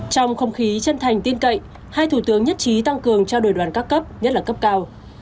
trong không khí chân thành tin cậy hai thủ tướng nhất trí tăng cường trao đổi đoàn các cấp nhất là cấp cao